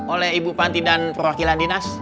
oleh ibu panti dan perwakilan dinas